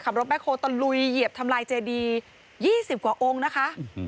ขับลงไปโคตะลุยเหยียบทำลายเจดียี่สิบกว่าองค์นะคะ